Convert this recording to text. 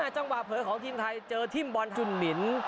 จังหวะเผลอของทีมไทยเจอทิ่มบอลจุนหมิน